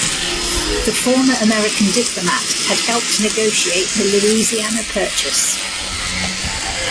The former American diplomat had helped negotiate the Louisiana Purchase.